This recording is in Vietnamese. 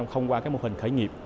không qua mô hình khởi nghiệp